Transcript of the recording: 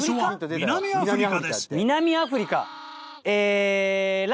南アフリカ？